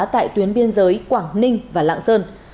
tại tuyến biên giới quảng ninh và lạng sơn